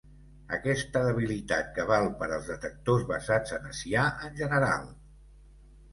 Aquesta debilitat que val per als detectors basats en Hessià en general.